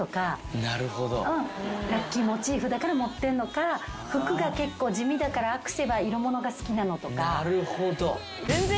ラッキーモチーフだから持ってんのか服が結構地味だからアクセは色物が好きなのとか。